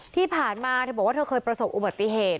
ที่ผ่านมาเธอบอกว่าเธอเคยประสบอุบัติเหตุ